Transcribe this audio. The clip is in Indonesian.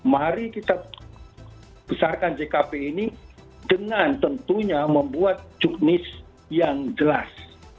mari kita besarkan jkp ini dengan tentunya membuat juknis yang jelas